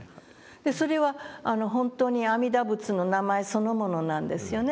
それは本当に阿弥陀仏の名前そのものなんですよね。